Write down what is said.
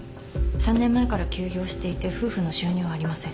３年前から休業していて夫婦の収入はありません。